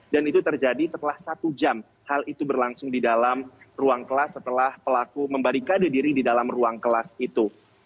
itu terjadi setelah satu jam hal itu berlangsung di dalam ruang kelas setelah pelaku membarikade diri di dalam ruang kelas itu